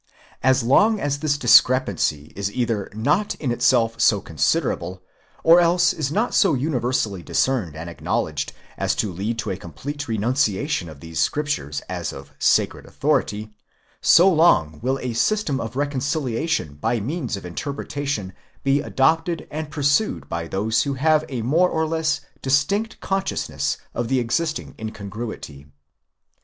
As long as this discrepancy is either not in itself so considerable, or else is not so universally discerned and acknowledged, as to lead to a complete renunciation of these Scriptures as of sacred authority, so long will a system of reconciliation by means of interpretation be adopted and pursued by those who have a more or less distinct consciousness of the existing incongruity.